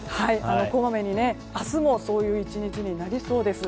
こまめに、明日もそういう１日になりそうです。